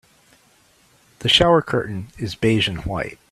The shower curtain is beige and white.